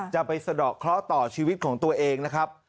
สะดอกเคราะห์ต่อชีวิตของตัวเองนะครับ